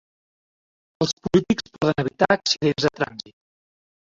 Els polítics poden evitar accidents de trànsit